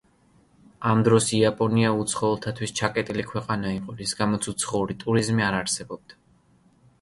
ამ დროს იაპონია უცხოელთათვის ჩაკეტილი ქვეყანა იყო, რის გამოც უცხოური ტურიზმი არ არსებობდა.